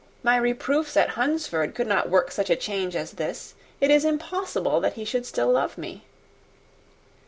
My reproofs at Hunsford could not work such a change as this. It is impossible that he should still love me."